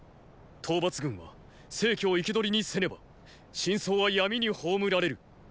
討伐軍は成を生け捕りにせねば真相は闇に葬られる！